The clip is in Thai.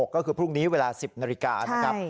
ก็คือพรุ่งนี้เวลา๑๐นาฬิกานะครับ